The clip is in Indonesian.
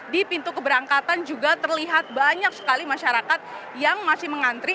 di pintu keberangkatan juga terlihat banyak sekali masyarakat yang masih mengantri